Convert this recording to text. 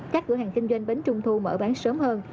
các cửa hàng kinh doanh bánh trung thu mở bán sớm hơn